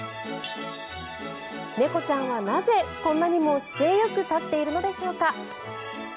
猫ちゃんはなぜこんなにも姿勢よく立っているのでしょうか。